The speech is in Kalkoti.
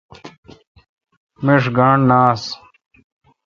میݭ گانٹھ نہ آشہ۔